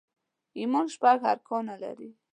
ايمان شپږ ارکان لري